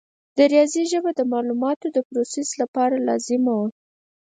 د ریاضي ژبه د معلوماتو د پروسس لپاره لازمه وه.